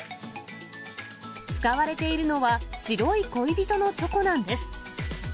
使われているのは、白い恋人のチョコなんです。